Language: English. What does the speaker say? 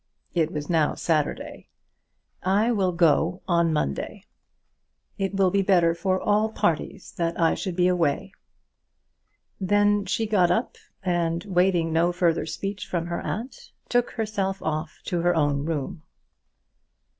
It was now Saturday. "I will go on Monday. It will be better for all parties that I should be away." Then she got up, and waiting no further speech from her aunt, took herself off to her own room.